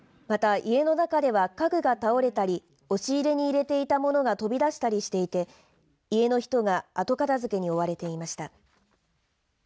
また家の中では家具が倒れたり押し入れに入れていたものが飛び出したりしていて家の人が後片づけに追われていました。